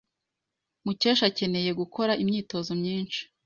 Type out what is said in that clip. Mukesha akeneye gukora imyitozo myinshi.